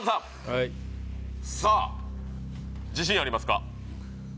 はいさあ自信ありますか？